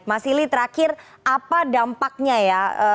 mas ili terakhir apa dampaknya ya